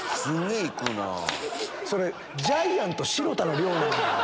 それジャイアント白田の量なのよ。